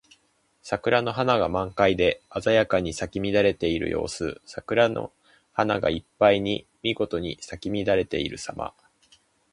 桜の花が満開で鮮やかに咲き乱れている様子。桜の花がいっぱいにみごとに咲き乱れているさま。